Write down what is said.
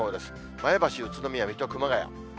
前橋、宇都宮、水戸、熊谷。